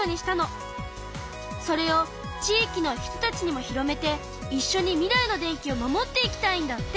それを地域の人たちにも広めていっしょに未来の電気を守っていきたいんだって！